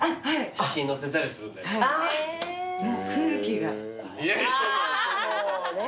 写真載せたりするんでね。